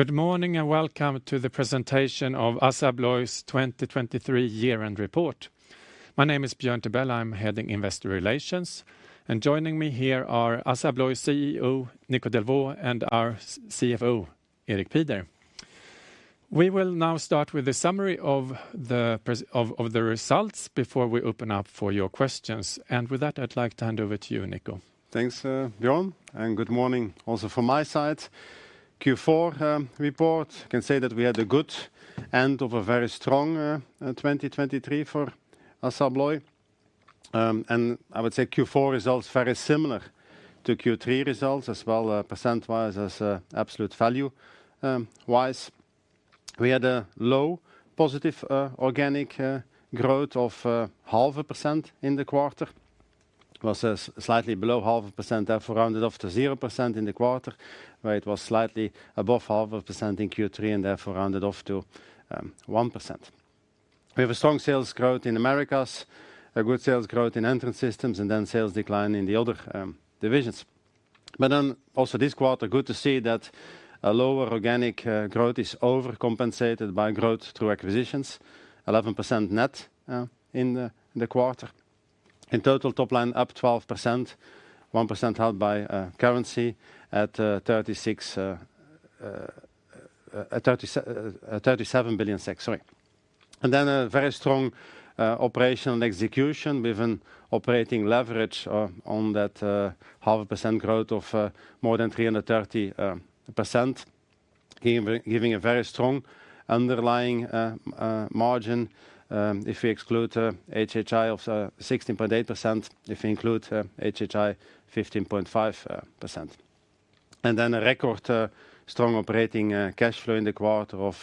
Good morning, and welcome to the presentation of ASSA ABLOY's 2023 Year-End Report. My name is Björn Tibell. I'm heading Investor Relations, and joining me here are ASSA ABLOY CEO Nico Delvaux and our CFO Erik Pieder. We will now start with a summary of the presentation of the results before we open up for your questions. With that, I'd like to hand over to you, Nico. Thanks, Björn, and good morning also from my side. Q4 report can say that we had a good end of a very strong 2023 for ASSA ABLOY. I would say Q4 results very similar to Q3 results as well, percent-wise as absolute value-wise. We had a low positive organic growth of 0.5% in the quarter. It was slightly below 0.5%, therefore rounded off to 0% in the quarter, where it was slightly above 0.5% in Q3 and therefore rounded off to 1%. We have a strong sales growth in Americas, a good sales growth in Entrance Systems, and then sales decline in the other divisions. But then also this quarter, good to see that a lower organic growth is overcompensated by growth through acquisitions, 11% net in the quarter. In total top line, up 12%, 1% held by currency at 37 billion, sorry. And then a very strong operational execution with an operating leverage on that 0.5% growth of more than 330%, giving a very strong underlying margin. If we exclude HHI of 16.8%, if we include HHI, 15.5%. And then a record strong operating cash flow in the quarter of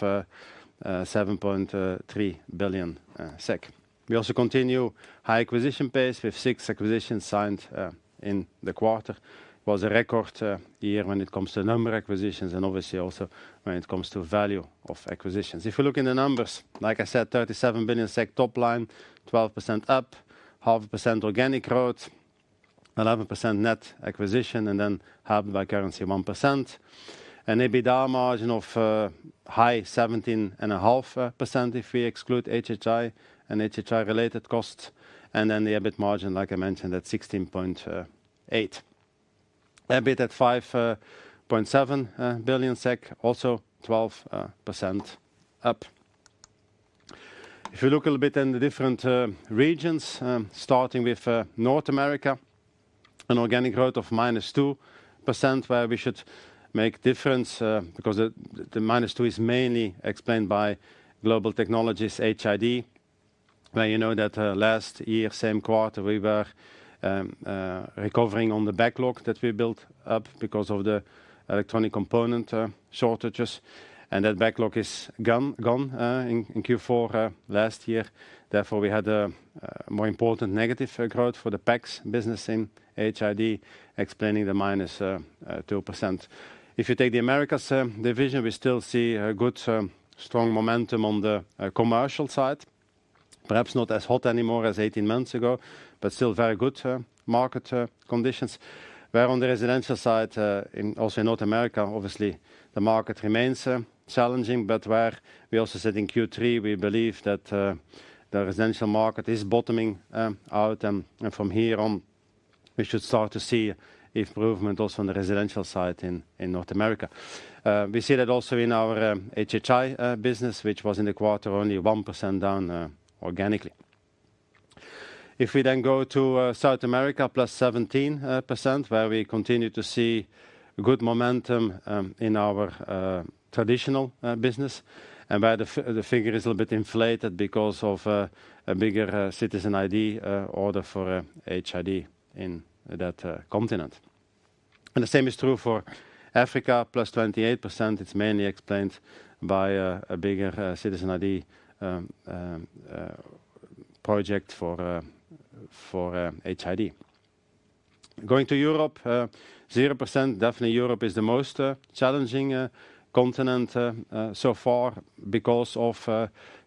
7.3 billion SEK. We also continue high acquisition pace with six acquisitions signed in the quarter. Was a record year when it comes to number acquisitions, and obviously also when it comes to value of acquisitions. If you look in the numbers, like I said, 37 billion SEK top line, 12% up, 0.5% organic growth, 11% net acquisition, and then 0.5% by currency, 1%. An EBITDA margin of high 17.5% if we exclude HHI and HHI-related costs, and then the EBIT margin, like I mentioned, at 16.8. EBIT at 5.7 billion SEK, also 12% up. If you look a little bit in the different regions, starting with North America, an organic growth of minus 2%, where we should make difference, because the minus two is mainly explained by Global Technologies, HID. Where you know that last year, same quarter, we were recovering on the backlog that we built up because of the electronic component shortages, and that backlog is gone in Q4 last year. Therefore, we had a more important negative growth for the PACS business in HID, explaining the minus 2%. If you take the Americas division, we still see a good strong momentum on the commercial side. Perhaps not as hot anymore as 18 months ago, but still very good market conditions. Where on the residential side, in also North America, obviously, the market remains, challenging, but where we also said in Q3, we believe that, the residential market is bottoming, out, and from here on, we should start to see if improvement also on the residential side in North America. We see that also in our, HHI, business, which was in the quarter only 1% down, organically. If we then go to, South America, +17%, where we continue to see good momentum, in our, traditional, business, and where the figure is a little bit inflated because of, a bigger, Citizen ID, order for, HID in that, continent. And the same is true for Africa, +28%. It's mainly explained by a bigger Citizen ID project for HID. Going to Europe, 0%, definitely Europe is the most challenging continent so far because of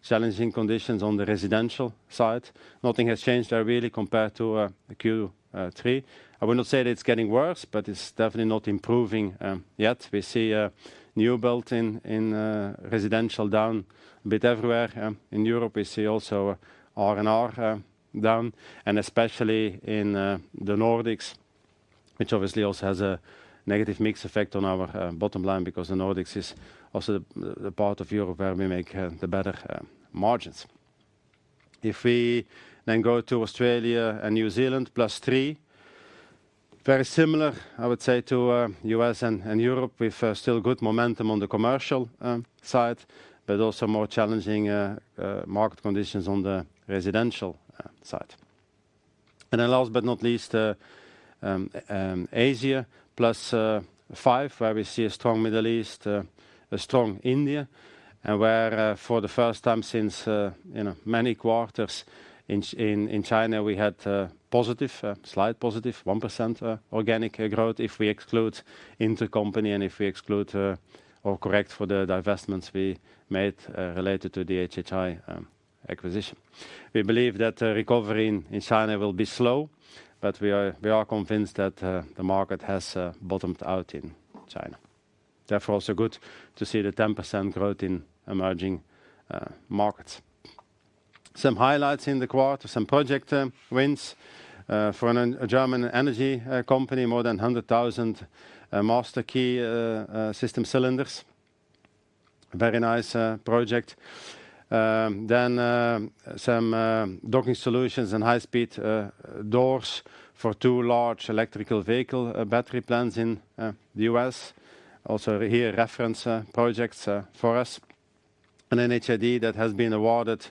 challenging conditions on the residential side. Nothing has changed there really compared to Q3 2023. I will not say it's getting worse, but it's definitely not improving yet. We see a new build in residential down a bit everywhere in Europe. We see also R&R down, and especially in the Nordics, which obviously also has a negative mix effect on our bottom line, because the Nordics is also the part of Europe where we make the better margins. If we then go to Australia and New Zealand, +3, very similar, I would say, to U.S. and Europe, with still good momentum on the commercial side, but also more challenging market conditions on the residential side. And then last but not least, Asia, +5, where we see a strong Middle East, a strong India, and where, for the first time since, you know, many quarters in China, we had positive, slight positive, 1% organic growth, if we exclude intercompany and if we exclude, or correct for the divestments we made related to the HHI acquisition. We believe that recovery in China will be slow, but we are convinced that the market has bottomed out in China. Therefore, also good to see the 10% growth in emerging markets. Some highlights in the quarter, some project wins for a German energy company, more than 100,000 master key system cylinders. Very nice project. Then some docking solutions and high-speed doors for two large electric vehicle battery plants in the U.S. Also here, reference projects for us. And then HID that has been awarded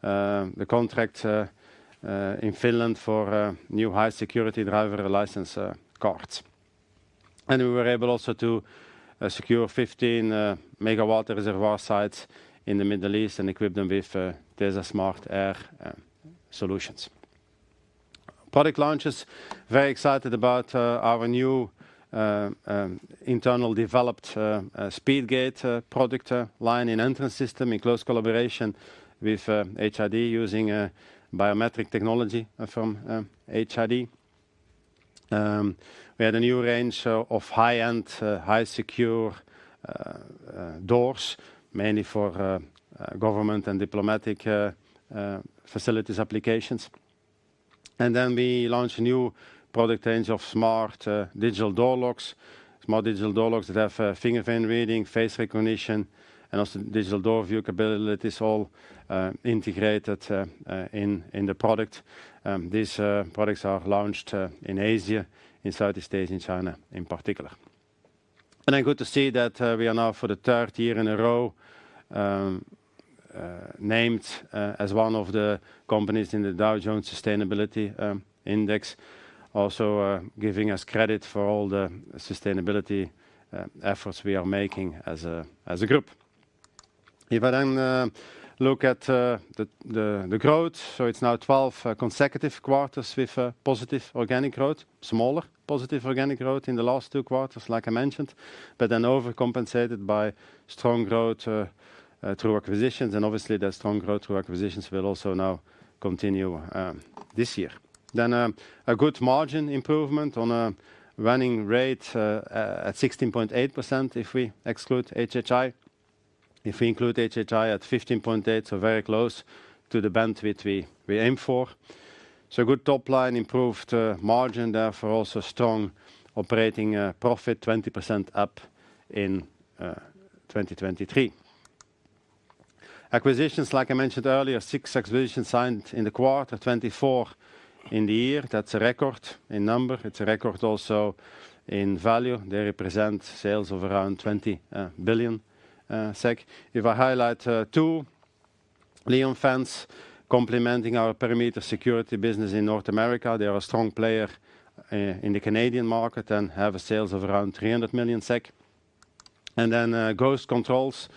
the contract in Finland for new high-security driver license cards. And we were able also to secure 15 MW reservoir sites in the Middle East and equip them with TESA SMARTair solutions. Product launches, very excited about our new internal developed speed gate product line in entrance system, in close collaboration with HID, using biometric technology from HID. We had a new range of high-end high-secure doors, mainly for government and diplomatic facilities applications. And then we launched a new product range of smart digital door locks. Smart digital door locks that have fingerprint reading, face recognition, and also digital door view capabilities, all integrated in the product. These products are launched in Asia, in United States, in China in particular. Then good to see that we are now, for the third year in a row, named as one of the companies in the Dow Jones Sustainability Index. Also, giving us credit for all the sustainability efforts we are making as a group. If I then look at the growth, so it's now 12 consecutive quarters with a positive organic growth, smaller positive organic growth in the last two quarters, like I mentioned, but then overcompensated by strong growth through acquisitions. And obviously, the strong growth through acquisitions will also now continue this year. Then a good margin improvement on a running rate at 16.8% if we exclude HHI. If we include HHI at 15.8, so very close to the band which we aim for. So good top line, improved margin, therefore, also strong operating profit, 20% up in 2023. Acquisitions, like I mentioned earlier, six acquisitions signed in the quarter, 24 in the year. That's a record in number. It's a record also in value. They represent sales of around 20 billion SEK. If I highlight two Leone Fence complementing our perimeter security business in North America, they are a strong player in the Canadian market and have a sales of around 300 million SEK. And then Ghost Controls,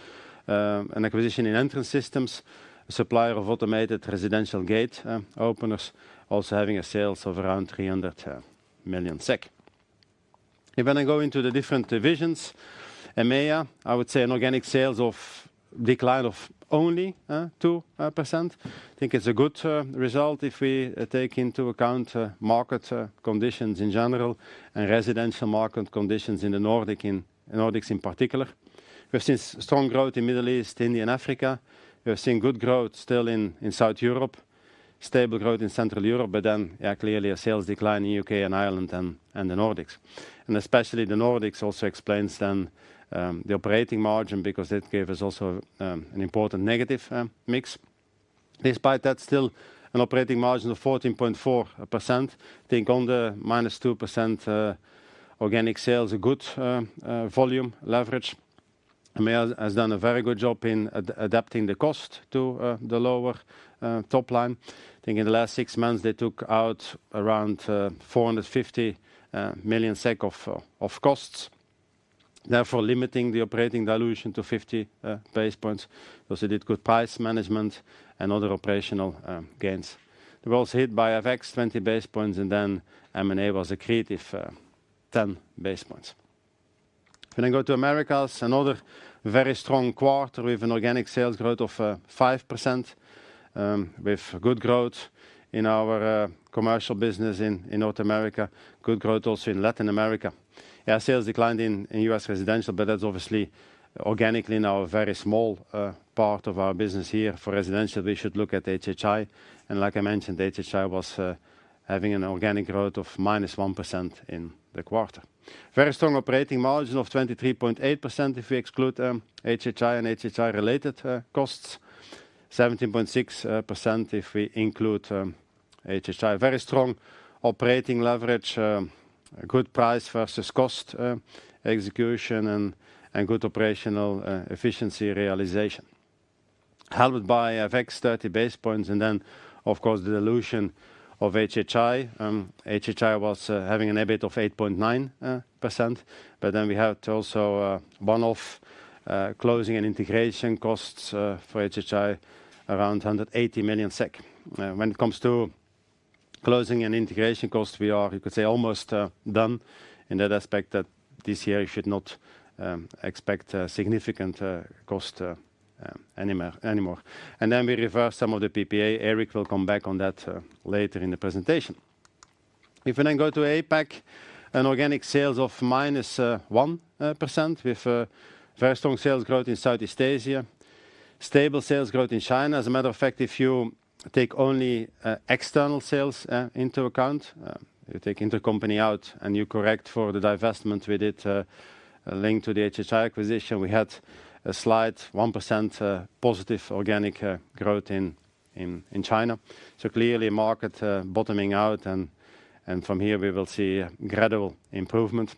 an acquisition in entrance systems, supplier of automated residential gate openers, also having a sales of around 300 million SEK. If I then go into the different divisions, EMEA, I would say an organic sales decline of only two percent. I think it's a good result if we take into account market conditions in general and residential market conditions in the Nordics in particular. We've seen strong growth in Middle East, India and Africa. We have seen good growth still in South Europe, stable growth in Central Europe, but then, yeah, clearly a sales decline in U.K. and Ireland and the Nordics. And especially the Nordics also explains then the operating margin, because it gave us also an important negative mix. Despite that, still an operating margin of 14.4 percent. I think on the minus 2% organic sales, a good volume leverage. EMEA has done a very good job in adapting the cost to the lower top line. I think in the last six months, they took out around 450 million SEK of costs, therefore limiting the operating dilution to 50 basis points. Also did good price management and other operational gains. They were also hit by FX, 20 basis points, and then M&A was a creative 10 basis points. If I go to Americas, another very strong quarter with an organic sales growth of 5%, with good growth in our commercial business in North America. Good growth also in Latin America. Our sales declined in U.S. residential, but that's obviously organically now a very small part of our business here. For residential, we should look at HHI, and like I mentioned, HHI was having an organic growth of minus 1% in the quarter. Very strong operating margin of 23.8% if we exclude HHI and HHI-related costs. 17.6% if we include HHI. Very strong operating leverage, good price versus cost execution and good operational efficiency realization. Helped by FX, 30 basis points, and then, of course, the dilution of HHI. HHI was having an EBIT of 8.9%, but then we had also one-off closing and integration costs for HHI, around 180 million SEK. When it comes to... Closing and integration costs, we are—you could say—almost done in that aspect, that this year you should not expect a significant cost anymore, anymore. And then we reverse some of the PPA. Erik will come back on that later in the presentation. If we then go to APAC, an organic sales of minus 1%, with a very strong sales growth in Southeast Asia, stable sales growth in China. As a matter of fact, if you take only external sales into account, you take intercompany out, and you correct for the divestment we did linked to the HHI acquisition, we had a slight 1% positive organic growth in China. So clearly market bottoming out, and from here we will see a gradual improvement.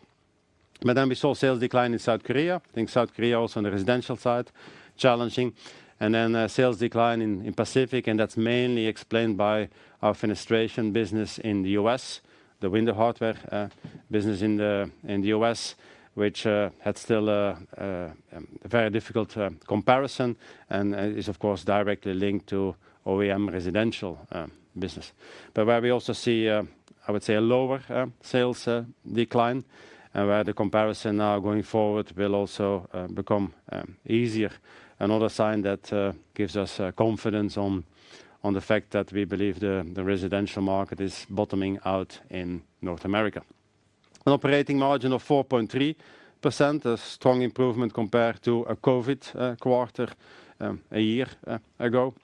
But then we saw sales decline in South Korea. I think South Korea also on the residential side, challenging, and then a sales decline in Pacific, and that's mainly explained by our fenestration business in the U.S., the window hardware business in the U.S., which had still a very difficult comparison and is of course directly linked to OEM residential business. But where we also see, I would say a lower sales decline and where the comparison now going forward will also become easier. Another sign that gives us confidence on the fact that we believe the residential market is bottoming out in North America. An operating margin of 4.3%, a strong improvement compared to a COVID quarter a year ago.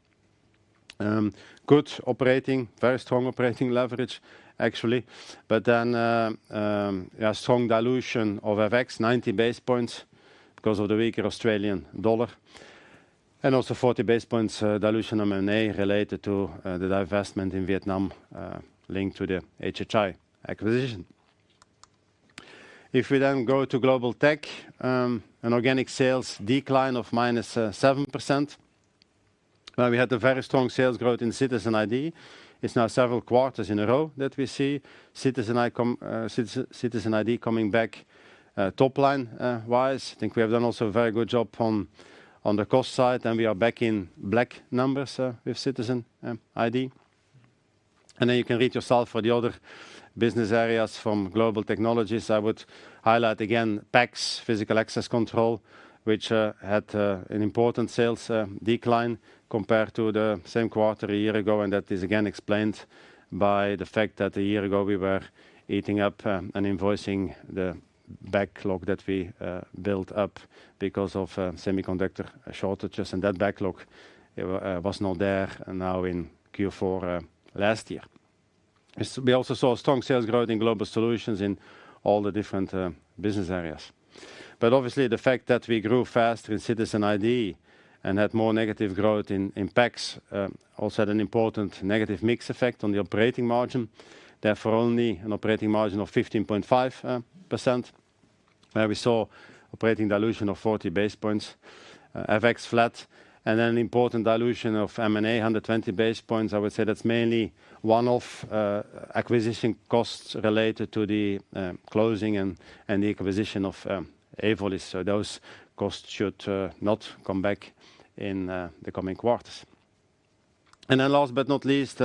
Good operating very strong operating leverage, actually, but then, a strong dilution of FX, 90 base points because of the weaker Australian dollar, and also 40 base points, dilution on M&A related to, the divestment in Vietnam, linked to the HHI acquisition. If we then go to Global Tech, an organic sales decline of minus 7%. We had a very strong sales growth in Citizen ID. It's now several quarters in a row that we see Citizen ID coming back, top line wise. I think we have done also a very good job on, on the cost side, and we are back in black numbers, with Citizen ID. And then you can read yourself for the other business areas from Global Technologies. I would highlight again, PACS, Physical Access Control, which had an important sales decline compared to the same quarter a year ago, and that is again explained by the fact that a year ago we were eating up and invoicing the backlog that we built up because of semiconductor shortages. And that backlog was not there now in Q4 last year. As we also saw a strong sales growth in Global Solutions in all the different business areas. But obviously, the fact that we grew faster in Citizen ID and had more negative growth in PACS also had an important negative mix effect on the operating margin. Therefore, only an operating margin of 15.5%, where we saw operating dilution of 40 basis points, FX flat, and then an important dilution of M&A, 120 basis points. I would say that's mainly one-off acquisition costs related to the closing and the acquisition of Evolis. So those costs should not come back in the coming quarters. And then last but not least,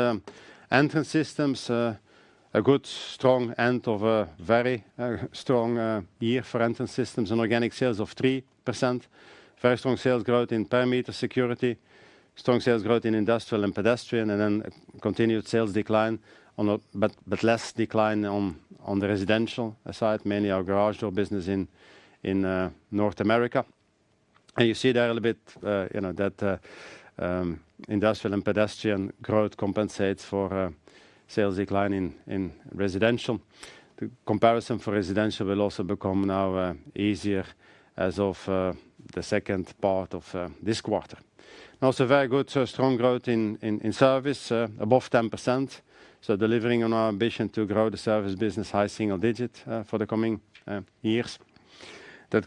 Entrance Systems, a good strong end of a very strong year for Entrance Systems and organic sales of 3%. Very strong sales growth in perimeter security, strong sales growth in industrial and pedestrian, and then continued sales decline, but less decline on the residential side, mainly our garage door business in North America. And you see there a little bit, you know, that industrial and pedestrian growth compensates for sales decline in residential. The comparison for residential will also become now easier as of the second part of this quarter. Also, very good, so strong growth in service above 10%. So delivering on our ambition to grow the service business high single digit for the coming years. That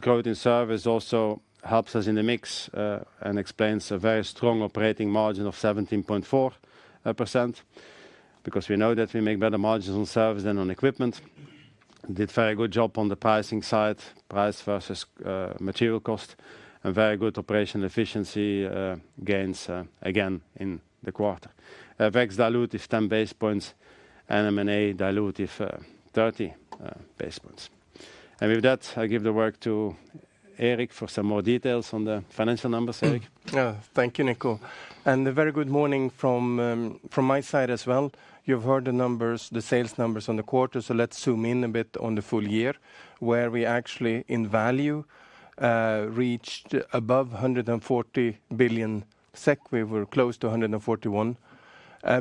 growth in service also helps us in the mix and explains a very strong operating margin of 17.4%, because we know that we make better margins on service than on equipment. Did very good job on the pricing side, price versus material cost, and very good operational efficiency gains again in the quarter. FX dilute is 10 basis points, and M&A dilutive, 30 basis points. And with that, I give the work to Erik for some more details on the financial numbers. Erik? Thank you, Nico, and a very good morning from my side as well. You've heard the numbers, the sales numbers on the quarter, so let's zoom in a bit on the full year, where we actually, in value, reached above 140 billion SEK. We were close to 141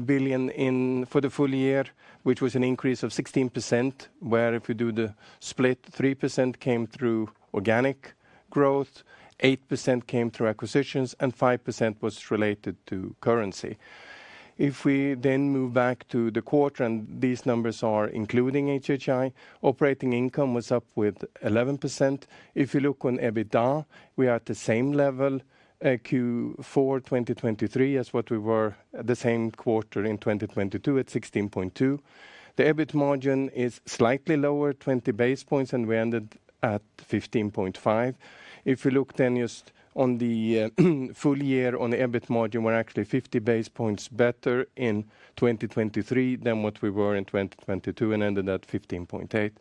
billion for the full year, which was an increase of 16%, where if you do the split, 3% came through organic growth, 8% came through acquisitions, and 5% was related to currency. If we then move back to the quarter, and these numbers are including HHI, operating income was up with 11%. If you look on EBITDA, we are at the same level, Q4 2023, as what we were at the same quarter in 2022 at 16.2. The EBIT margin is slightly lower, 20 basis points, and we ended at 15.5%. If you look then just on the full year on the EBIT margin, we're actually 50 basis points better in 2023 than what we were in 2022 and ended at 15.8%.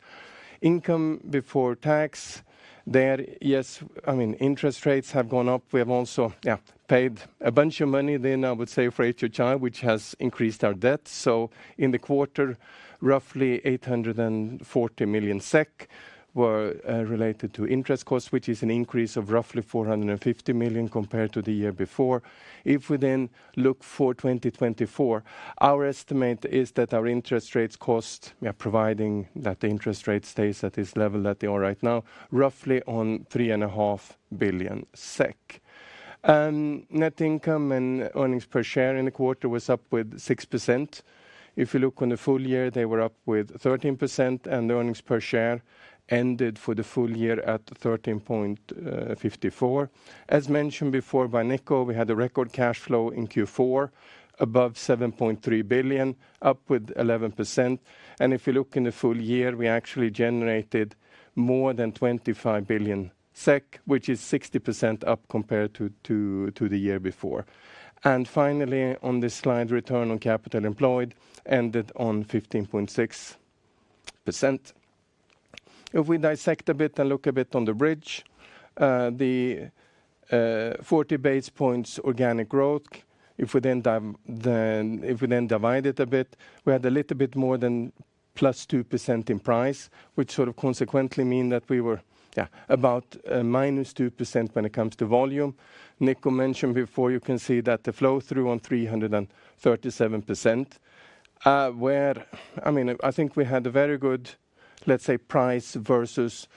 Income before tax, there, yes, I mean, interest rates have gone up. We have also, yeah, paid a bunch of money then I would say for HHI, which has increased our debt. So in the quarter, roughly 840 million SEK were related to interest costs, which is an increase of roughly 450 million compared to the year before. If we then look for 2024, our estimate is that our interest rates cost, we are providing that the interest rate stays at this level that they are right now, roughly 3.5 billion SEK. Net income and earnings per share in the quarter was up with 6%. If you look on the full year, they were up with 13%, and the earnings per share ended for the full year at 13.54. As mentioned before by Nico, we had a record cash flow in Q4, above 7.3 billion, up with 11%. If you look in the full year, we actually generated more than 25 billion SEK, which is 60% up compared to the year before. Finally, on this slide, return on capital employed ended on 15.6%. If we dissect a bit and look a bit on the bridge, the 40 basis points organic growth, if we then divide it a bit, we had a little bit more than plus 2% in price, which sort of consequently mean that we were, yeah, about minus 2% when it comes to volume. Nico mentioned before, you can see that the flow through on 337%. Where- I mean, I think we had a very good, let's say, price versus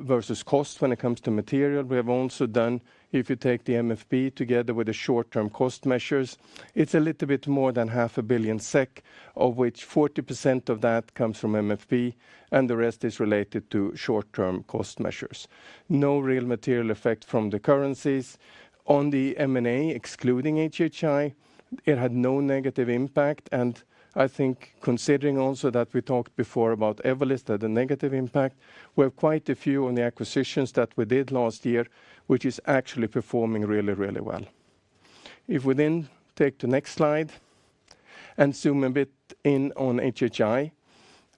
versus cost when it comes to material. We have also done, if you take the MFP together with the short-term cost measures, it's a little bit more than 500 million SEK, of which 40% of that comes from MFP, and the rest is related to short-term cost measures. No real material effect from the currencies. On the M&A, excluding HHI, it had no negative impact, and I think considering also that we talked before about Evolis had a negative impact, we have quite a few on the acquisitions that we did last year, which is actually performing really, really well. If we then take the next slide and zoom a bit in on HHI.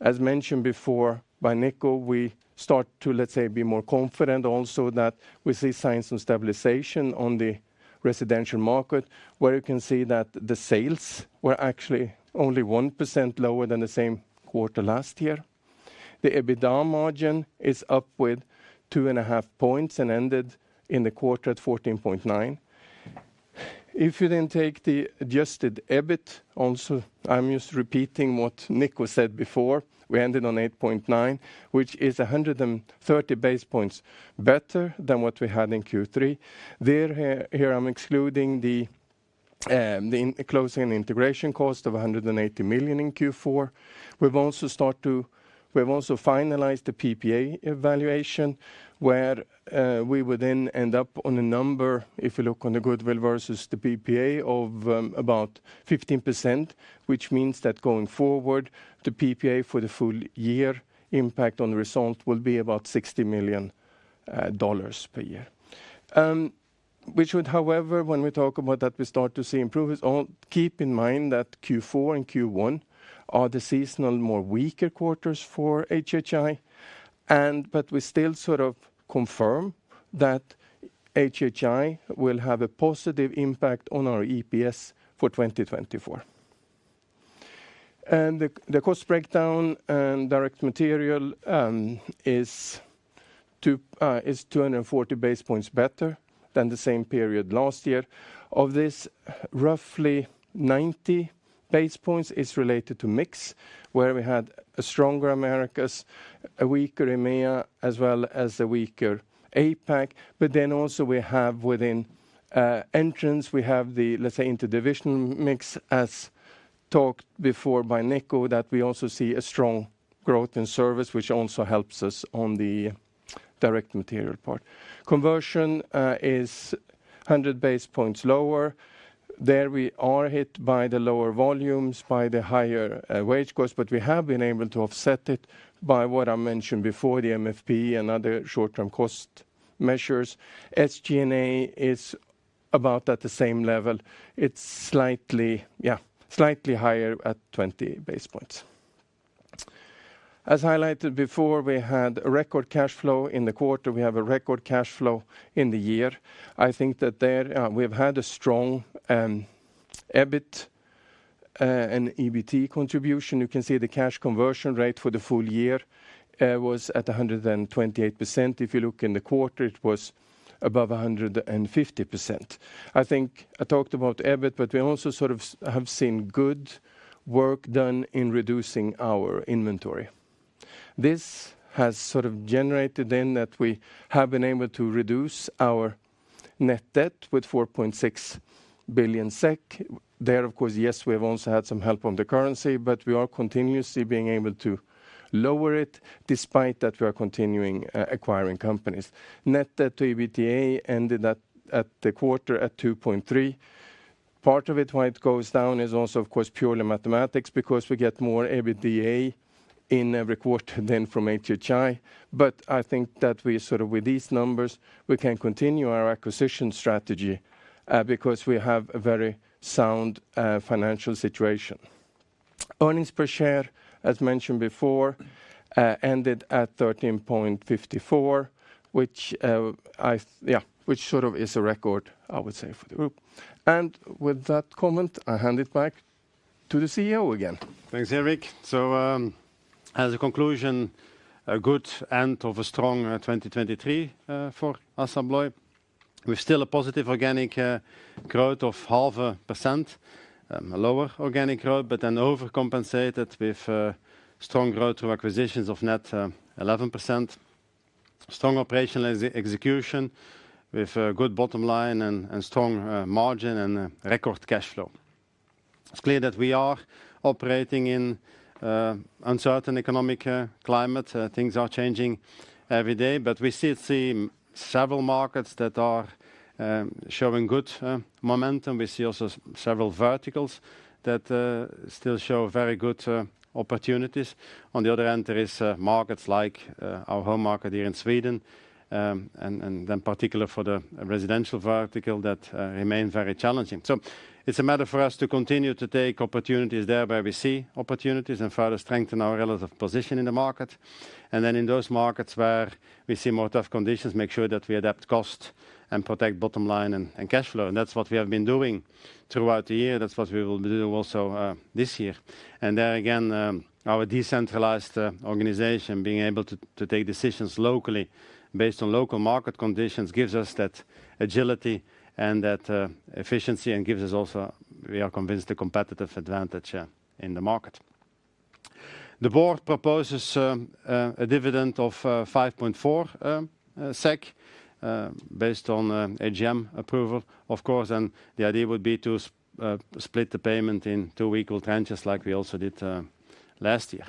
As mentioned before by Nico, we start to, let's say, be more confident also that we see signs of stabilization on the residential market, where you can see that the sales were actually only 1% lower than the same quarter last year. The EBITDA margin is up with 2.5 points and ended in the quarter at 14.9. If you then take the adjusted EBIT, also, I'm just repeating what Nico said before, we ended on 8.9, which is 130 basis points better than what we had in Q3. Here, I'm excluding the closing and integration cost of 180 million in Q4. We've also finalized the PPA evaluation, where we would then end up on a number, if you look on the goodwill versus the PPA, of about 15%, which means that going forward, the PPA for the full year impact on the result will be about $60 million per year. Which would, however, when we talk about that, we start to see improvements. Keep in mind that Q4 and Q1 are the seasonal, more weaker quarters for HHI, and but we still sort of confirm that HHI will have a positive impact on our EPS for 2024. And the cost breakdown and direct material is 240 basis points better than the same period last year. Of this, roughly 90 basis points is related to mix, where we had a stronger Americas, a weaker EMEA, as well as a weaker APAC. But then also we have within entrance, we have the, let's say, interdivisional mix, as talked before by Nico, that we also see a strong growth in service, which also helps us on the direct material part. Conversion is 100 basis points lower. There, we are hit by the lower volumes, by the higher wage costs, but we have been able to offset it by what I mentioned before, the MFP and other short-term cost measures. SG&A is about at the same level. It's slightly, yeah, slightly higher at 20 basis points. As highlighted before, we had a record cash flow in the quarter. We have a record cash flow in the year. I think that there, we've had a strong EBIT and EBT contribution. You can see the cash conversion rate for the full year was at 128%. If you look in the quarter, it was above 150%. I think I talked about EBIT, but we also sort of have seen good work done in reducing our inventory. This has sort of generated then that we have been able to reduce our net debt with 4.6 billion SEK. There, of course, yes, we have also had some help on the currency, but we are continuously being able to lower it despite that we are continuing acquiring companies. Net debt to EBITDA ended at the quarter at 2.3. Part of it, why it goes down, is also, of course, purely mathematics, because we get more EBITDA in every quarter than from HHI. But I think that we sort of, with these numbers, we can continue our acquisition strategy, because we have a very sound financial situation. Earnings per share, as mentioned before, ended at 13.54, which yeah, which sort of is a record, I would say, for the group. With that comment, I hand it back to the CEO again. Thanks, Erik. So, as a conclusion, a good end of a strong 2023 for ASSA ABLOY. We're still a positive organic growth of 0.5%, a lower organic growth, but then overcompensated with strong growth through acquisitions of net 11%. Strong operational execution, with a good bottom line and strong margin and record cash flow. It's clear that we are operating in uncertain economic climate. Things are changing every day, but we still see several markets that are showing good momentum. We see also several verticals that still show very good opportunities. On the other hand, there is markets like our home market here in Sweden, and then particular for the residential vertical that remain very challenging. So it's a matter for us to continue to take opportunities there, where we see opportunities, and further strengthen our relative position in the market. And then in those markets where we see more tough conditions, make sure that we adapt cost and protect bottom line and cashflow. And that's what we have been doing throughout the year. That's what we will do also, this year. And there again, our decentralized organization, being able to make decisions locally based on local market conditions, gives us that agility and that efficiency, and gives us also, we are convinced, a competitive advantage, yeah, in the market. The board proposes a dividend of 5.4 SEK based on AGM approval. Of course, then the idea would be to split the payment in two equal tenures, just like we also did last year.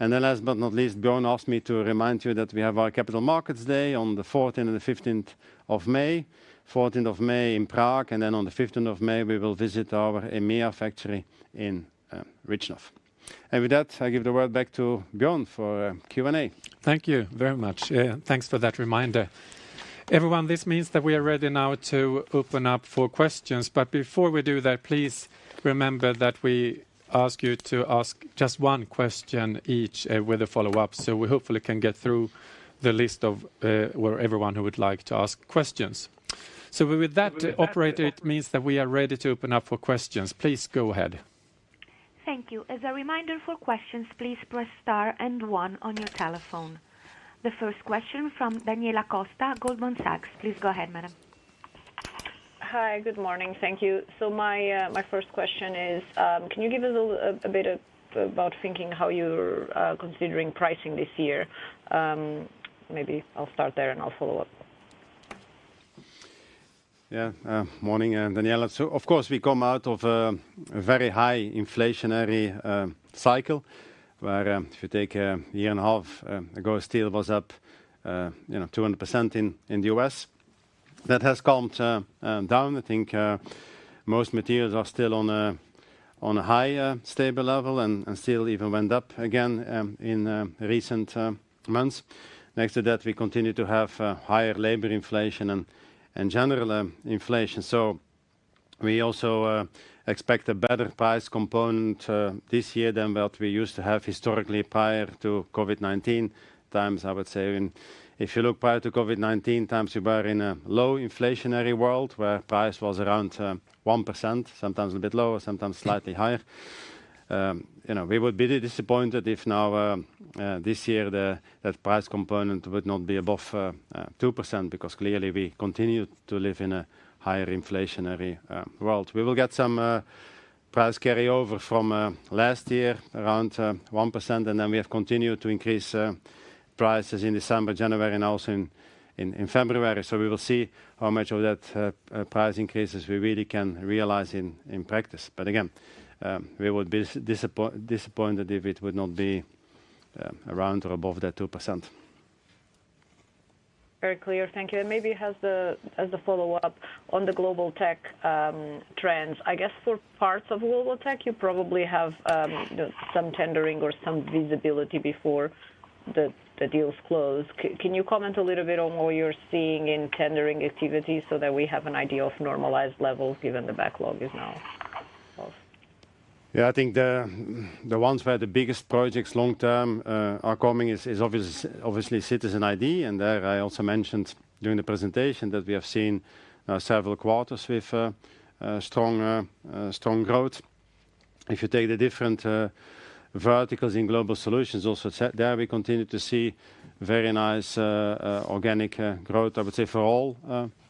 And then last but not least, Björn asked me to remind you that we have our Capital Markets Day on the 14th and the 15th of May. 14th of May in Prague, and then on the 15th of May, we will visit our EMEA factory in Řičany. And with that, I give the word back to Björn for Q&A. Thank you very much. Yeah, thanks for that reminder. Everyone, this means that we are ready now to open up for questions. But before we do that, please remember that we ask you to ask just one question each, with a follow-up, so we hopefully can get through the list of, where everyone who would like to ask questions. So with that, operator, it means that we are ready to open up for questions. Please go ahead. Thank you. As a reminder for questions, please press star and one on your telephone. The first question from Daniela Costa, Goldman Sachs. Please go ahead, madam. Hi, good morning. Thank you. So my first question is, can you give us a bit about thinking how you're considering pricing this year? Maybe I'll start there and I'll follow up. Yeah. Morning, Daniela. So of course, we come out of a very high inflationary cycle, where, if you take a year and a half ago, steel was up, you know, 200% in the U.S. That has calmed down. I think most materials are still on a high stable level and still even went up again in recent months. Next to that, we continue to have higher labor inflation and general inflation. So we also expect a better price component this year than what we used to have historically prior to COVID-19 times. I would say even if you look prior to COVID-19 times, we were in a low inflationary world, where price was around one percent, sometimes a bit lower, sometimes slightly higher. You know, we would be disappointed if now this year that price component would not be above two percent, because clearly we continue to live in a higher inflationary world. We will get some price carryover from last year, around one percent, and then we have continued to increase prices in December, January, and also in February. So we will see how much of that price increases we really can realize in practice. But again, we would be disappointed if it would not be around or above that two percent. Very clear. Thank you. Maybe as a follow-up on the global tech trends, I guess for parts of global tech, you probably have, you know, some tendering or some visibility before the deals close. Can you comment a little bit on what you're seeing in tendering activities so that we have an idea of normalized levels, given the backlog is now off? Yeah, I think the ones where the biggest projects long term are coming is obviously Citizen ID. And there, I also mentioned during the presentation that we have seen several quarters with strong growth. If you take the different verticals in Global Solutions, also there we continue to see very nice organic growth, I would say for all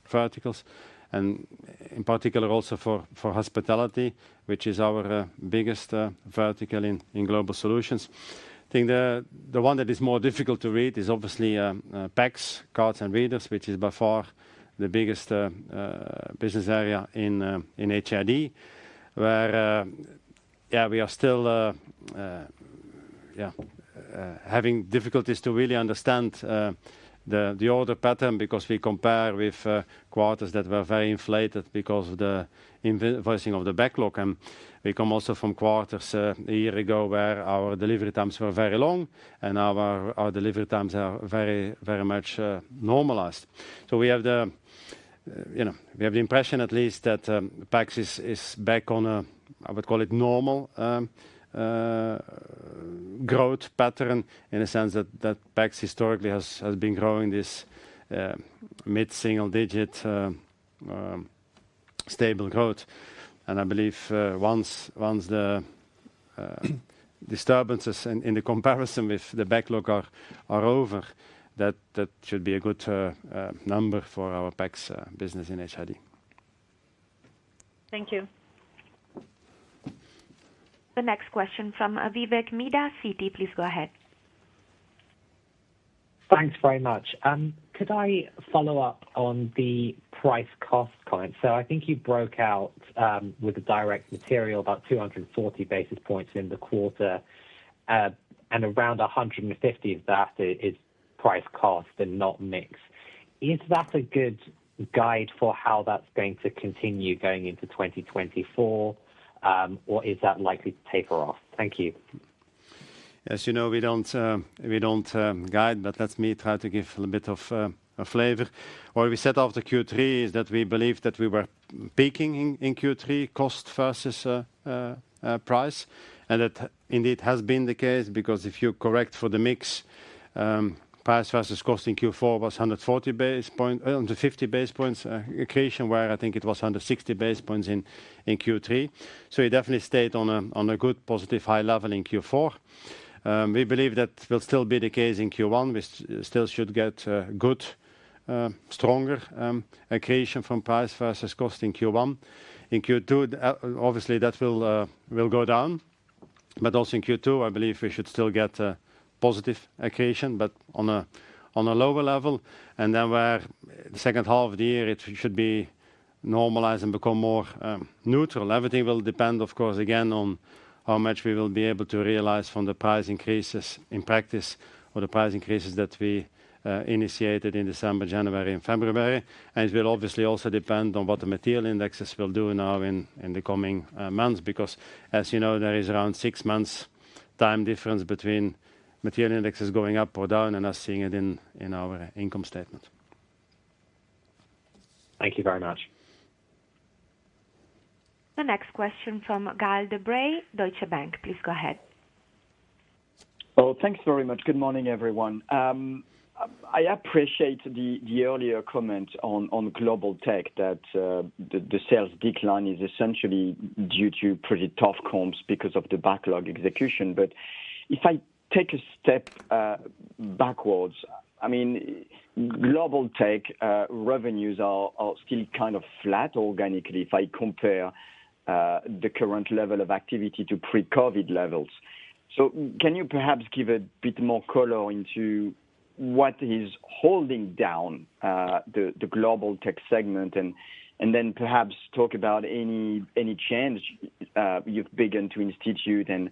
verticals, and in particular also for Hospitality, which is our biggest vertical in Global Solutions. I think the one that is more difficult to read is obviously PACS, cards and readers, which is by far the biggest business area in HID. Yeah, we are still having difficulties to really understand the order pattern, because we compare with quarters that were very inflated because of the invoicing of the backlog. We come also from quarters a year ago, where our delivery times were very long, and now our delivery times are very, very much normalized. So we have the, you know, we have the impression at least that PACS is back on a, I would call it, normal growth pattern, in a sense that PACS historically has been growing this mid-single digit stable growth. I believe once the disturbances in the comparison with the backlog are over, that should be a good number for our PACS business in HID. Thank you. The next question from Vivek Midha, Citi, please go ahead. Thanks very much. Could I follow up on the price cost kind? So I think you broke out, with the direct material about 240 basis points in the quarter. And around 150 of that is price cost and not mix. Is that a good guide for how that's going to continue going into 2024? Or is that likely to taper off? Thank you. As you know, we don't guide, but let me try to give a little bit of a flavor. What we said after Q3 is that we believed that we were peaking in Q3, cost versus price. And that indeed has been the case, because if you correct for the mix, price versus cost in Q4 was 140 base point-150 basis points contribution, where I think it was 160 basis points in Q3. So it definitely stayed on a good, positive, high level in Q4. We believe that will still be the case in Q1. We still should get good, stronger contribution from price versus cost in Q1. In Q2, obviously, that will go down. But also in Q2, I believe we should still get a positive occasion, but on a lower level. Then where the second half of the year, it should be normalized and become more neutral. Everything will depend, of course, again, on how much we will be able to realize from the price increases in practice, or the price increases that we initiated in December, January and February. And it will obviously also depend on what the material indexes will do now in the coming months. Because, as you know, there is around six months time difference between material indexes going up or down, and us seeing it in our income statement. Thank you very much. The next question from Gael de Bray, Deutsche Bank. Please go ahead. Oh, thanks very much. Good morning, everyone. I appreciate the earlier comment on Global Tech that the sales decline is essentially due to pretty tough comps because of the backlog execution. But if I take a step backwards, I mean, Global Tech revenues are still kind of flat organically, if I compare the current level of activity to pre-COVID levels. So can you perhaps give a bit more color into what is holding down the Global Tech segment? And then perhaps talk about any change you've begun to institute and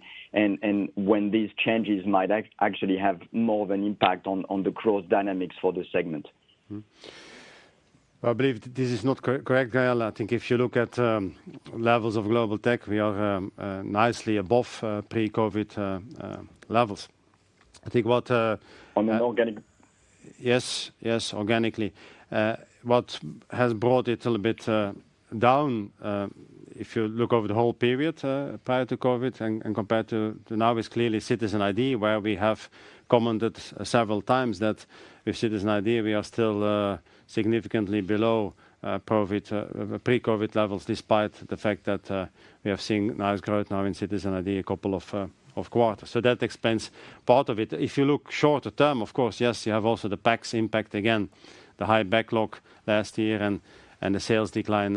when these changes might actually have more of an impact on the growth dynamics for the segment. Hmm. I believe this is not correct, Gael. I think if you look at levels of Global Tech, we are nicely above pre-COVID levels. I think what- On an organic? Yes, yes, organically. What has brought it a little bit down, if you look over the whole period prior to COVID and compared to now, is clearly Citizen ID, where we have commented several times that with Citizen ID, we are still significantly below COVID pre-COVID levels, despite the fact that we have seen nice growth now in Citizen ID a couple of quarters. So that explains part of it. If you look shorter term, of course, yes, you have also the PACS impact, again, the high backlog last year and the sales decline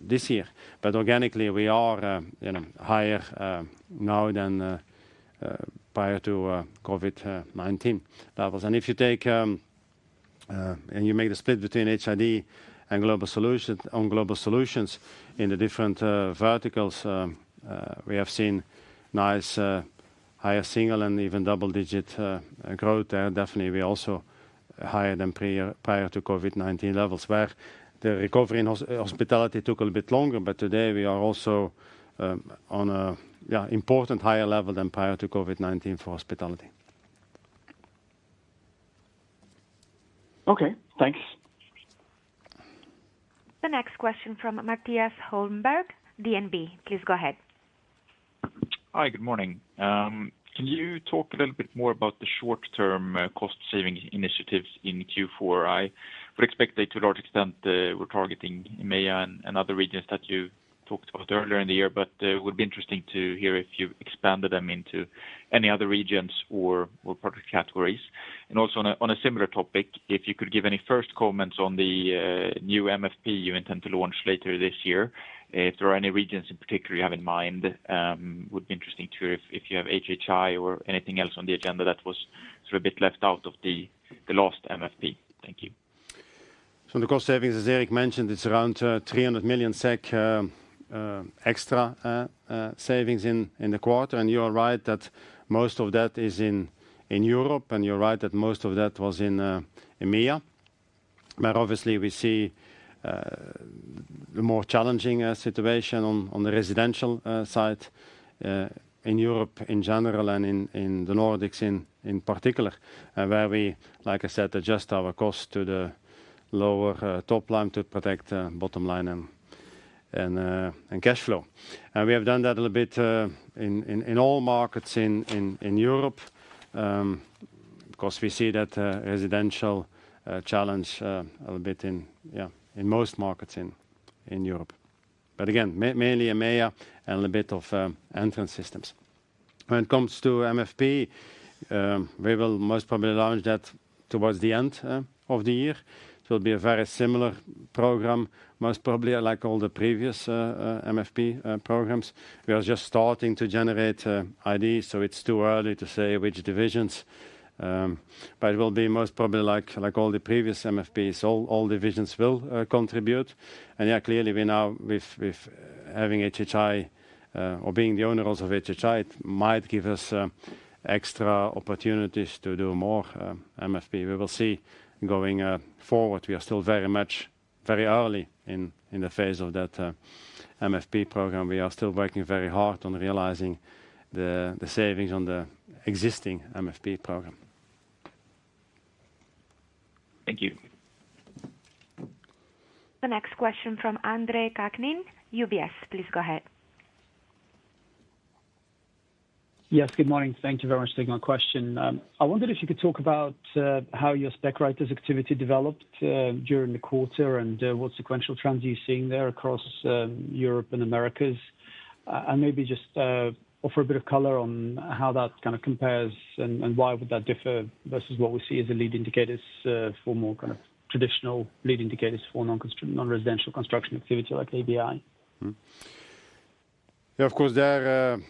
this year. But organically, we are, you know, higher now than prior to COVID 2019 levels. If you take and you make the split between HID and Global Solutions in the different verticals, we have seen nice higher single- and even double-digit growth there. Definitely, we're also higher than prior to COVID-19 levels, where the recovery in hospitality took a little bit longer, but today we are also on a important higher level than prior to COVID-19 for hospitality. Okay, thanks. The next question from Mattias Holmberg, DNB. Please go ahead. Hi, good morning. Can you talk a little bit more about the short-term cost saving initiatives in Q4? I would expect that to a large extent, we're targeting EMEA and other regions that you talked about earlier in the year. But it would be interesting to hear if you expanded them into any other regions or product categories. And also on a similar topic, if you could give any first comments on the new MFP you intend to launch later this year. If there are any regions in particular you have in mind, would be interesting to hear if you have HHI or anything else on the agenda that was sort of a bit left out of the last MFP. Thank you. So the cost savings, as Erik mentioned, it's around 300 million SEK extra savings in the quarter. And you are right that most of that is in Europe, and you're right that most of that was in EMEA. But obviously, we see the more challenging situation on the residential side in Europe in general, and in the Nordics in particular. Where we, like I said, adjust our cost to the lower top line to protect bottom line and cash flow. And we have done that a little bit in all markets in Europe. 'Cause we see that residential challenge a little bit, yeah, in most markets in Europe. But again, mainly EMEA and a little bit of entrance systems. When it comes to MFP, we will most probably launch that towards the end of the year. It will be a very similar program, most probably alike all the previous MFP programs. We are just starting to generate ideas, so it's too early to say which divisions. But it will be most probably like all the previous MFPs, all divisions will contribute. And yeah, clearly, we now with having HHI, or being the owners of HHI, it might give us extra opportunities to do more MFP. We will see going forward. We are still very much very early in the phase of that MFP program. We are still working very hard on realizing the savings on the existing MFP program. Thank you. The next question from Andrei Kukhnin, UBS. Please go ahead. Yes, good morning. Thank you very much for taking my question. I wondered if you could talk about how your spec writers activity developed during the quarter, and what sequential trends are you seeing there across Europe and Americas? And maybe just offer a bit of color on how that kind of compares and why would that differ versus what we see as the lead indicators for more kind of traditional lead indicators for non-residential construction activity like ABI. Yeah, of course, there,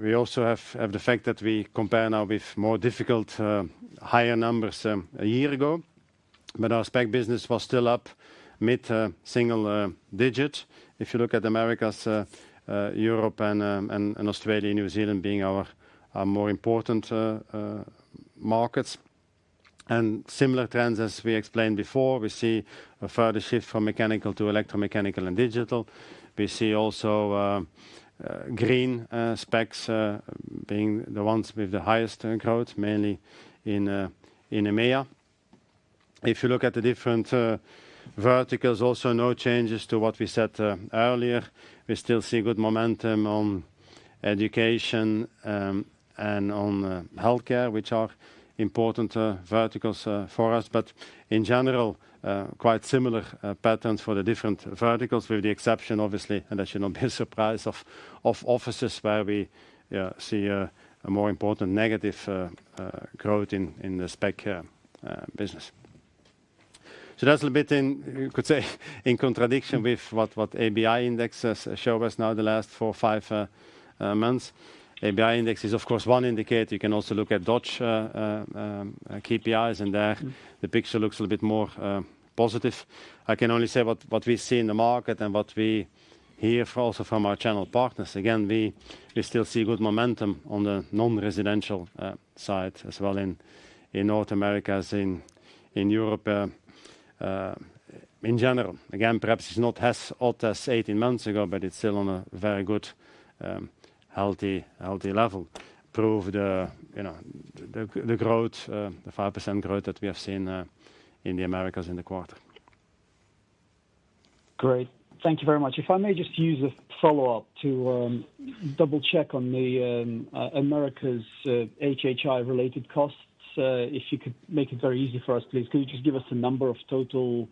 we also have the fact that we compare now with more difficult, higher numbers, a year ago. But our spec business was still up, mid single digit. If you look at Americas, Europe and Australia, New Zealand being our, more important, markets. And similar trends as we explained before, we see a further shift from mechanical to electromechanical and digital. We see also, green, specs, being the ones with the highest growth, mainly in EMEA. If you look at the different, verticals, also no changes to what we said, earlier. We still see good momentum on education, and on, healthcare, which are important, verticals, for us. But in general, quite similar patterns for the different verticals, with the exception, obviously, and that should not be a surprise of offices, where we see a more important negative growth in the spec business. So that's a bit in, you could say, in contradiction with what ABI index has showed us now the last four or five months. ABI index is, of course, one indicator. You can also look at Dutch KPIs, and there the picture looks a little bit more positive. I can only say what we see in the market and what we hear from—also from our channel partners. Again, we still see good momentum on the non-residential side as well in North Americas, in Europe, in general. Again, perhaps it's not as hot as 18 months ago, but it's still on a very good, healthy level. Proves the, you know, the growth, the 5% growth that we have seen in the Americas in the quarter. Great. Thank you very much. If I may just use a follow-up to double-check on the Americas HHI-related costs. If you could make it very easy for us, please, could you just give us a number of total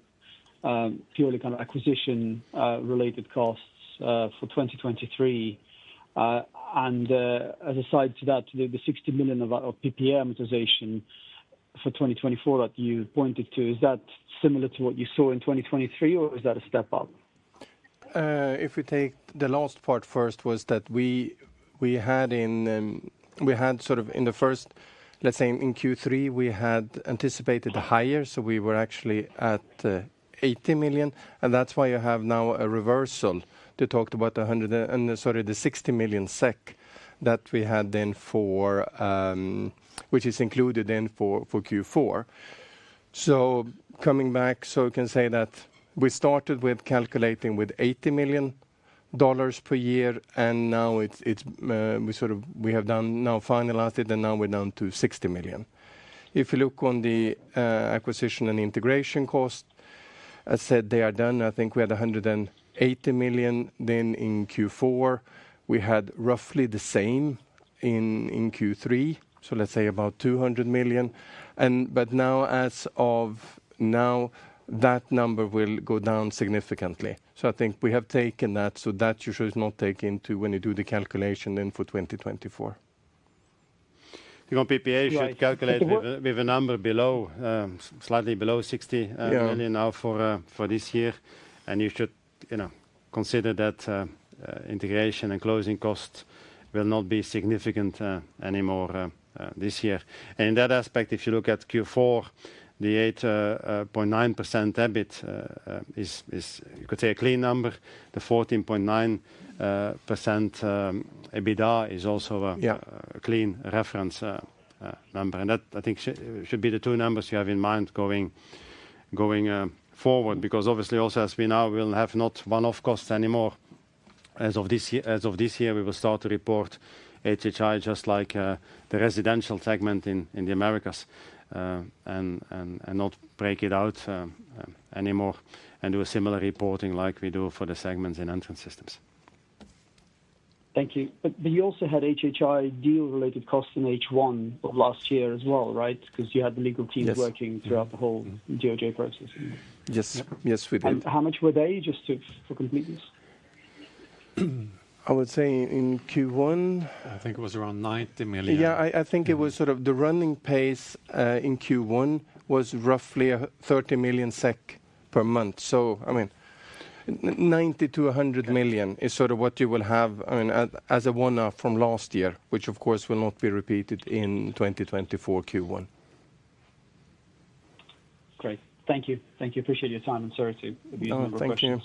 purely kind of acquisition-related costs for 2023? And as a side to that, the 60 million of PPA amortization for 2024 that you pointed to, is that similar to what you saw in 2023, or is that a step up? If we take the last part first, let's say in Q3, we had anticipated higher, so we were actually at $80 million, and that's why you have now a reversal that we talked about the 100 and, sorry, the 60 million SEK that we had then, which is included in Q4. So coming back, we can say that we started with calculating with $80 million per year, and now it's, we have now finalized it, and now we're down to 60 million. If you look on the acquisition and integration cost. I said they are done. I think we had 180 million then in Q4. We had roughly the same in, in Q3, so let's say about 200 million. But now, as of now, that number will go down significantly. So I think we have taken that, so that you should not take into when you do the calculation then for 2024. The non-PPA- Right should calculate with a number below, slightly below 60 Yeah -million now for this year. And you should, you know, consider that integration and closing costs will not be significant anymore this year. And in that aspect, if you look at Q4, the 8.9% EBIT is, you could say, a clean number. The 14.9% EBITDA is also a- Yeah -clean reference, number. And that I think should be the two numbers you have in mind going forward. Because obviously, also as we now will have not one-off costs anymore, as of this year, as of this year, we will start to report HHI just like the residential segment in the Americas. And not break it out anymore, and do a similar reporting like we do for the segments in Entrance Systems. Thank you. But you also had HHI deal-related costs in H1 of last year as well, right? Because you had the legal team working throughout the whole DOJ process. Yes. Yes, we did. And how much were they, just to, for completeness? I would say in Q1- I think it was around 90 million. Yeah, I think it was sort of the running pace in Q1 was roughly 30 million SEK per month. So I mean, 90 million-100 million is sort of what you will have, I mean, as a one-off from last year, which of course will not be repeated in 2024 Q1. Great. Thank you. Thank you. Appreciate your time, and sorry to be a number of questions. Oh, thank you.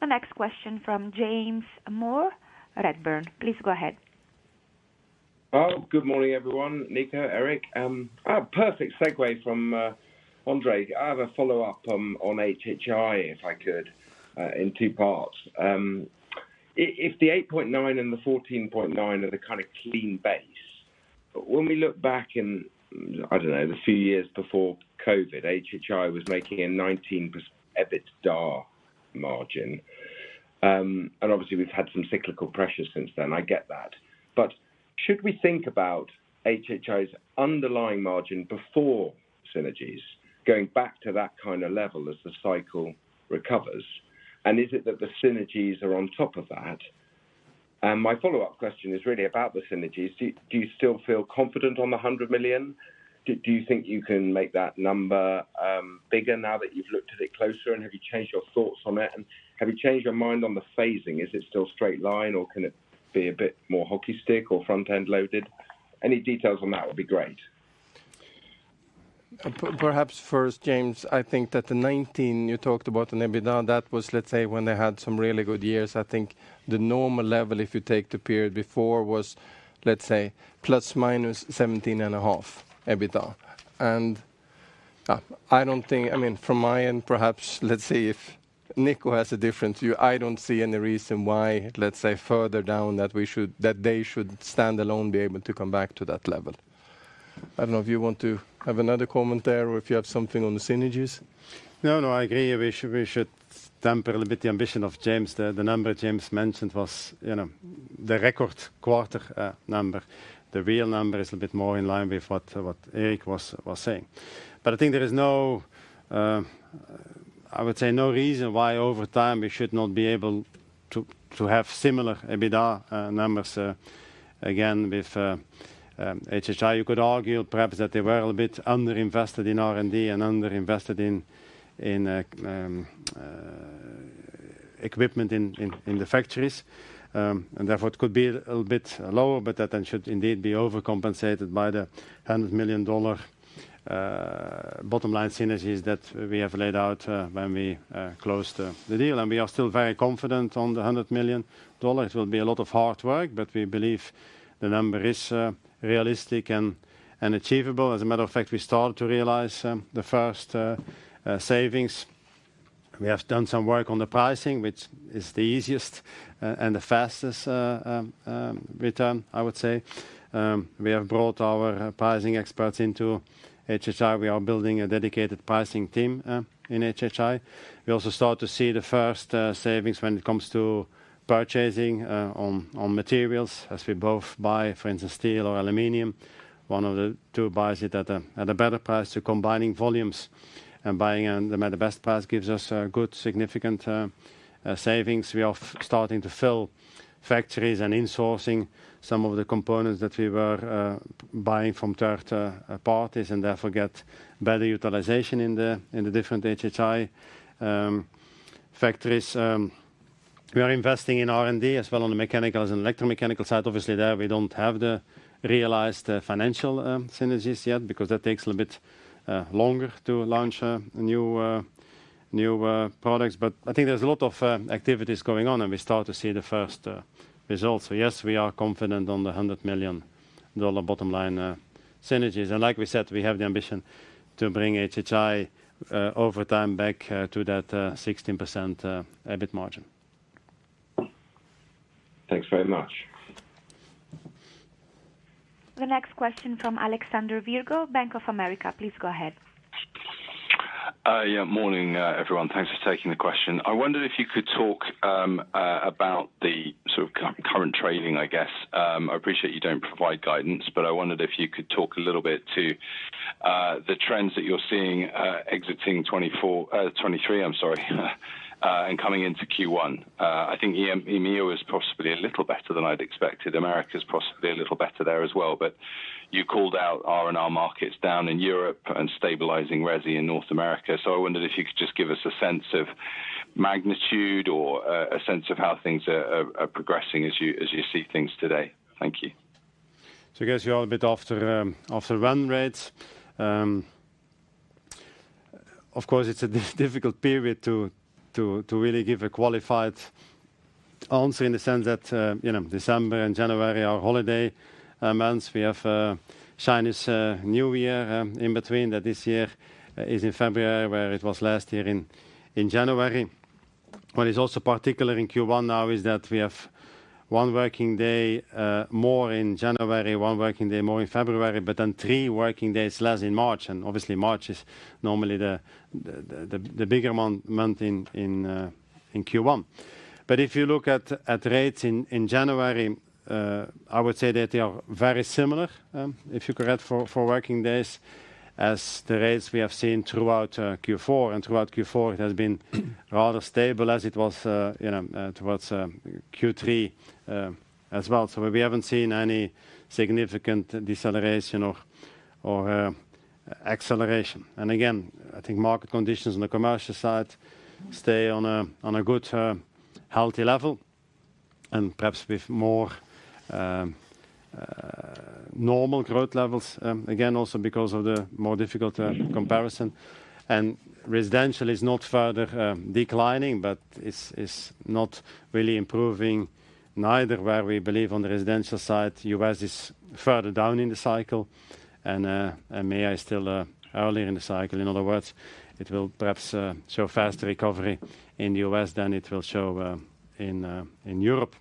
The next question from James Moore, Redburn. Please go ahead. Well, good morning, everyone. Nico, Erik, a perfect segue from Andrei. I have a follow-up on HHI, if I could, in two parts. If the 8.9 and the 14.9 are the kind of clean base, but when we look back in, I don't know, the few years before COVID, HHI was making a 19% EBITDAR margin. And obviously, we've had some cyclical pressures since then. I get that. But should we think about HHI's underlying margin before synergies, going back to that kind of level as the cycle recovers? And is it that the synergies are on top of that? And my follow-up question is really about the synergies. Do you still feel confident on the $100 million? Do you think you can make that number bigger now that you've looked at it closer, and have you changed your thoughts on it? Have you changed your mind on the phasing? Is it still straight line, or can it be a bit more hockey stick or front-end loaded? Any details on that would be great. Perhaps first, James, I think that the 19 you talked about in EBITDA, that was, let's say, when they had some really good years. I think the normal level, if you take the period before, was, let's say, ±17.5 EBITDA. And, I don't think... I mean, from my end, perhaps, let's see if Nico has a different view. I don't see any reason why, let's say, further down, that we should, that they should stand alone, be able to come back to that level. I don't know if you want to have another comment there or if you have something on the synergies. No, no, I agree. We should, we should temper a little bit the ambition of James. The, the number James mentioned was, you know, the record quarter, number. The real number is a bit more in line with what, what Erik was, was saying. But I think there is no, I would say, no reason why over time we should not be able to, to have similar EBITDA, numbers, again, with, HHI. You could argue perhaps that they were a little bit underinvested in R&D and underinvested in, in, equipment in, in, in the factories. And therefore, it could be a little bit lower, but that then should indeed be overcompensated by the $100 million bottom line synergies that we have laid out, when we, closed the, the deal. We are still very confident on the $100 million. It will be a lot of hard work, but we believe the number is realistic and achievable. As a matter of fact, we start to realize the first savings. We have done some work on the pricing, which is the easiest and the fastest return, I would say. We have brought our pricing experts into HHI. We are building a dedicated pricing team in HHI. We also start to see the first savings when it comes to purchasing on materials, as we both buy, for instance, steel or aluminum. One of the two buys it at a better price. So combining volumes and buying them at the best price gives us good significant savings. We are starting to fill factories and insourcing some of the components that we were buying from third parties, and therefore get better utilization in the different HHI factories. We are investing in R&D as well on the mechanicals and electromechanical side. Obviously there, we don't have the realized financial synergies yet, because that takes a little bit longer to launch new products. But I think there's a lot of activities going on, and we start to see the first results. So yes, we are confident on the $100 million bottom line synergies. And like we said, we have the ambition to bring HHI over time back to that 16% EBIT margin. Thanks very much. The next question from Alexander Virgo, Bank of America. Please go ahead. Yeah, morning, everyone. Thanks for taking the question. I wondered if you could talk about the sort of current trading, I guess. I appreciate you don't provide guidance, but I wondered if you could talk a little bit to the trends that you're seeing, exiting 2024, 2023, I'm sorry, and coming into Q1. I think EM, EMEA was possibly a little better than I'd expected. Americas possibly a little better there as well. But you called out R&R markets down in Europe and stabilizing resi in North America. So I wondered if you could just give us a sense of magnitude or a sense of how things are progressing as you see things today. Thank you. So I guess you are a bit after after run rates. Of course, it's a difficult period to really give a qualified answer in the sense that, you know, December and January are holiday months. We have Chinese New Year in between, that this year is in February, where it was last year in January. What is also particular in Q1 now is that we have one working day more in January, one working day more in February, but then three working days less in March. And obviously, March is normally the bigger month in Q1. But if you look at rates in January, I would say that they are very similar, if you correct for working days, as the rates we have seen throughout Q4. And throughout Q4, it has been rather stable as it was, you know, towards Q3, as well. So we haven't seen any significant deceleration or, or acceleration. And again, I think market conditions on the commercial side stay on a, on a good, healthy level and perhaps with more, normal growth levels, again, also because of the more difficult, comparison. And residential is not further, declining, but it's, it's not really improving neither, where we believe on the residential side, U.S. is further down in the cycle and, and EMEA is still, earlier in the cycle. In other words, it will perhaps, show faster recovery in the U.S. than it will show, in, in Europe.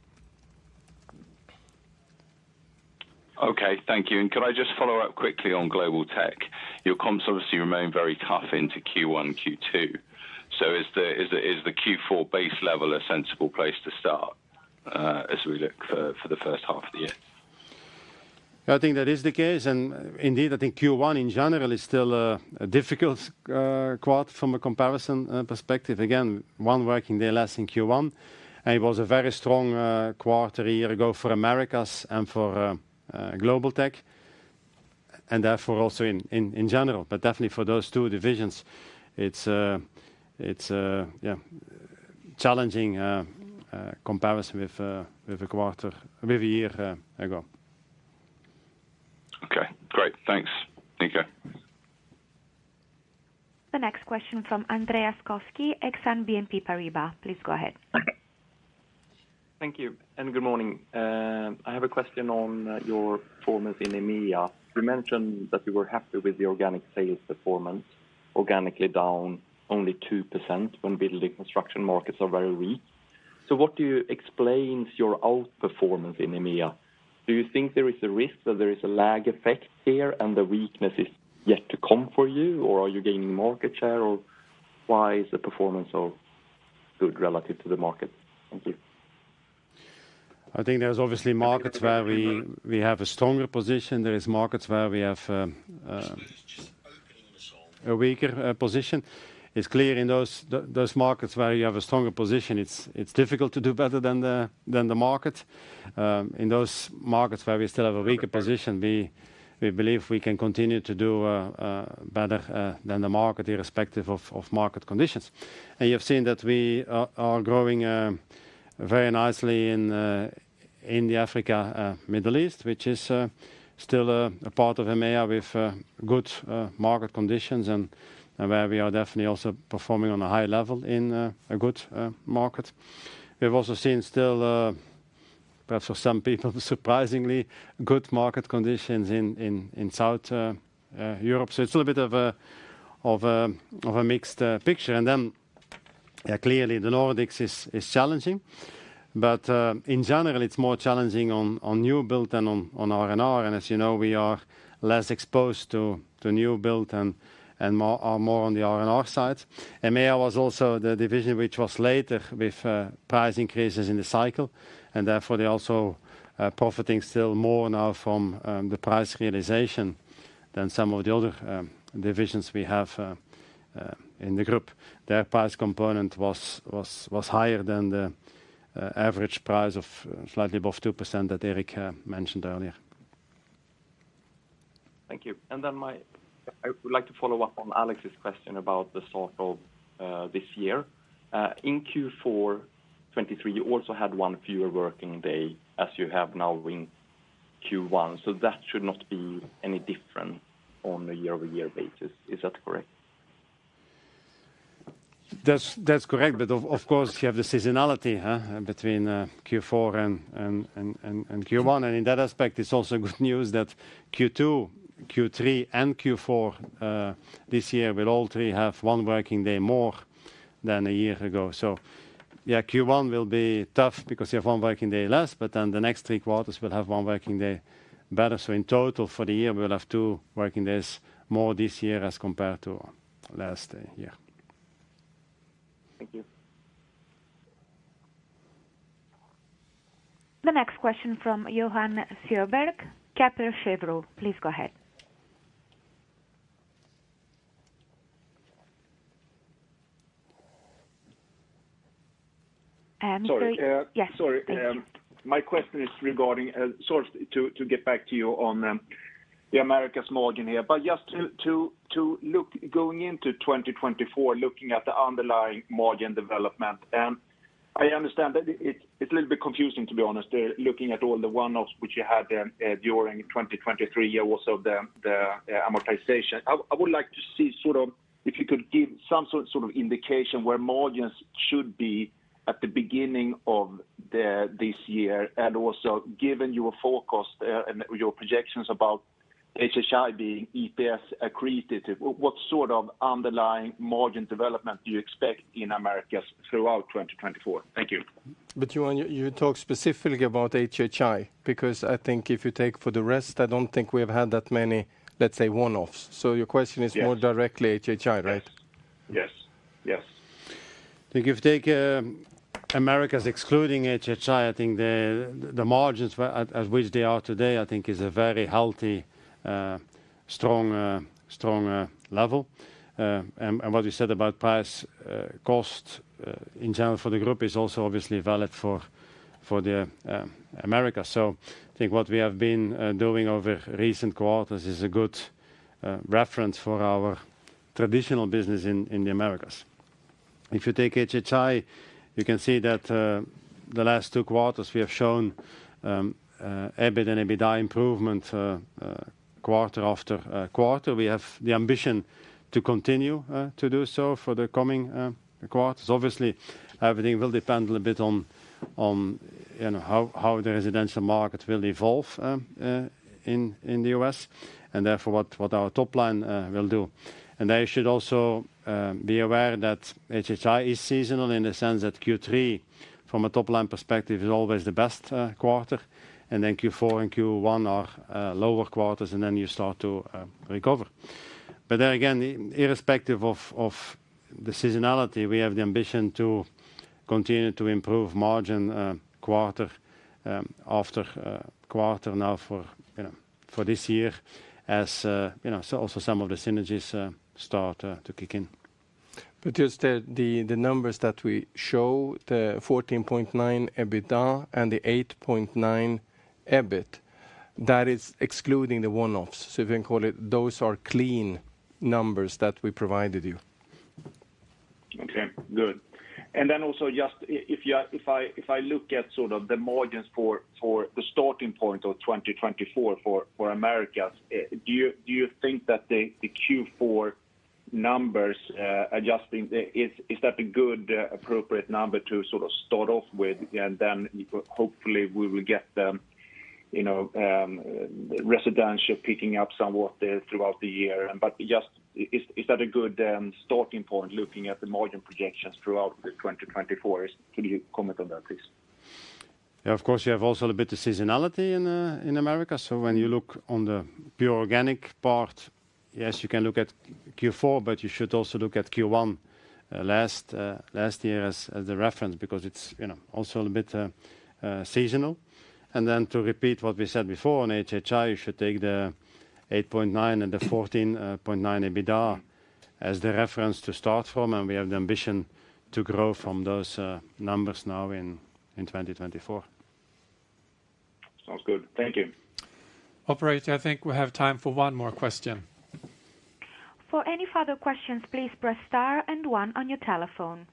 Okay. Thank you. Could I just follow up quickly on Global Tech? Your comps obviously remain very tough into Q1, Q2. So is the Q4 base level a sensible place to start as we look for the first half of the year? I think that is the case. And indeed, I think Q1 in general is still a difficult quarter from a comparison perspective. Again, one working day less in Q1, and it was a very strong quarter a year ago for Americas and for Global Tech, and therefore also in general. But definitely for those two divisions, it's yeah, challenging comparison with a quarter... with a year ago. Okay, great. Thanks, Nico. The next question from Andreas Koski, Exane BNP Paribas. Please go ahead. Okay. Thank you, and good morning. I have a question on your performance in EMEA. You mentioned that you were happy with the organic sales performance, organically down only 2% when building construction markets are very weak. So what do you explains your outperformance in EMEA? Do you think there is a risk that there is a lag effect here, and the weakness is yet to come for you, or are you gaining market share? Or why is the performance so good relative to the market? Thank you. I think there's obviously markets where we have a stronger position. There is markets where we have a weaker position. It's clear in those those markets where you have a stronger position, it's difficult to do better than the market. In those markets where we still have a weaker position, we believe we can continue to do better than the market, irrespective of market conditions. You have seen that we are growing very nicely in India, Africa, Middle East, which is still a part of EMEA with good market conditions and where we are definitely also performing on a high level in a good market. We have also seen still, perhaps for some people, surprisingly good market conditions in South Europe. So it's a little bit of a mixed picture. And then, clearly, the Nordics is challenging, but in general, it's more challenging on new build than on R&R. And as you know, we are less exposed to new build and more on the R&R side. EMEA was also the division which was later with price increases in the cycle, and therefore they're also profiting still more now from the price realization than some of the other divisions we have in the group. Their price component was higher than the average price of slightly above 2% that Erik mentioned earlier. Thank you. And then I would like to follow up on Alex's question about the start of this year. In Q4 2023, you also had one fewer working day, as you have now in Q1, so that should not be any different on a year-over-year basis. Is that correct? That's correct. But of course, you have the seasonality between Q4 and Q1. And in that aspect, it's also good news that Q2, Q3 and Q4 this year will all three have one working day more than a year ago. So yeah, Q1 will be tough because you have one working day less, but then the next three quarters will have one working day better. So in total, for the year, we'll have two working days more this year as compared to last year. Thank you. The next question from Johan Sjöberg, Kepler Cheuvreux. Please go ahead. Sorry- Sorry, uh- Yes, thank you. Sorry, my question is regarding sort of to get back to you on the Americas margin here. But just to look going into 2024, looking at the underlying margin development, I understand that it's a little bit confusing, to be honest, looking at all the one-offs which you had during 2023 year also the amortization. I would like to see sort of if you could give some sort of indication where margins should be at the beginning of this year, and also given your forecast and your projections about HHI being EPS accretive, what sort of underlying margin development do you expect in Americas throughout 2024? Thank you. But Johan, you talk specifically about HHI, because I think if you take for the rest, I don't think we've had that many, let's say, one-offs. Yes. Your question is more directly HHI, right? Yes. Yes, yes. I think if you take Americas excluding HHI, I think the margins were at, at which they are today, I think is a very healthy strong strong level. And what we said about price cost in general for the group is also obviously valid for the Americas. So I think what we have been doing over recent quarters is a good reference for our traditional business in the Americas. If you take HHI, you can see that the last two quarters we have shown EBIT and EBITDA improvement quarter after quarter. We have the ambition to continue to do so for the coming quarters. Obviously, everything will depend a bit on you know how the residential market will evolve in the U.S., and therefore what our top line will do. I should also be aware that HHI is seasonal in the sense that Q3, from a top-line perspective, is always the best quarter, and then Q4 and Q1 are lower quarters, and then you start to recover. But then again, irrespective of the seasonality, we have the ambition to continue to improve margin quarter after quarter now for you know for this year as you know so also some of the synergies start to kick in. But just the numbers that we show, the 14.9 EBITDA and the 8.9 EBIT, that is excluding the one-offs. You can call it, those are clean numbers that we provided you. Okay, good. And then also just if you are—if I, if I look at sort of the margins for, for the starting point of 2024 for, for Americas, do you, do you think that the, the Q4 numbers, adjusting, is, is that a good, appropriate number to sort of start off with, and then hopefully we will get the, you know, residential picking up somewhat, throughout the year? But just is, is that a good, starting point, looking at the margin projections throughout the 2024? Can you comment on that, please? Yeah, of course, you have also a bit of seasonality in America. So when you look on the pure organic part, yes, you can look at Q4, but you should also look at Q1 last year as a reference, because it's, you know, also a bit seasonal. And then to repeat what we said before on HHI, you should take the 8.9 and the 14.9 EBITDA as the reference to start from, and we have the ambition to grow from those numbers now in 2024. Sounds good. Thank you. Operator, I think we have time for one more question. For any further questions, please press star and one on your telephone.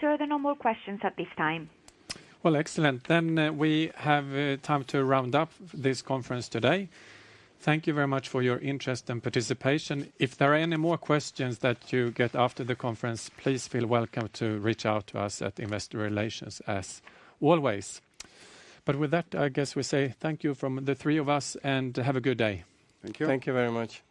Sir, there are no more questions at this time. Well, excellent. Then, we have time to round up this conference today. Thank you very much for your interest and participation. If there are any more questions that you get after the conference, please feel welcome to reach out to us at Investor Relations, as always. But with that, I guess we say thank you from the three of us, and have a good day. Thank you. Thank you very much.